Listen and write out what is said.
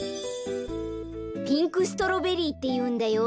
ピンクストロベリーっていうんだよ。